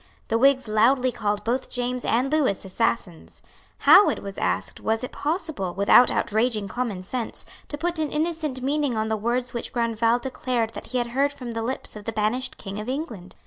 The Whigs loudly called both James and Lewis assassins. How, it was asked, was it possible, without outraging common sense, to put an innocent meaning on the words which Grandval declared that he had heard from the lips of the banished King of England?